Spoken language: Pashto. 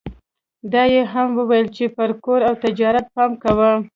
دا يې هم وويل چې پر کور او تجارت پام کوه.